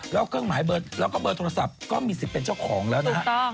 แล้วก็เครื่องหมายเบอร์โทรศัพท์ก็มีศิษย์เป็นเจ้าของแล้วนะครับ